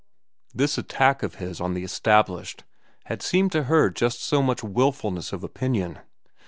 This attack of his on the established had seemed to her just so much wilfulness of opinion.